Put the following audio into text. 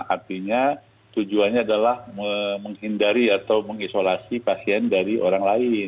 artinya tujuannya adalah menghindari atau mengisolasi pasien dari orang lain